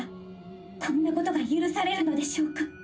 こんなことが許されるのでしょうか。